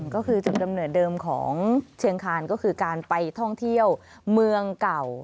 ก็คือจุดกำเนิดเดิมของเชียงคานก็คือการไปท่องเที่ยวเมืองเก่า